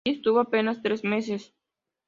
Allí estuvo apenas tres meses.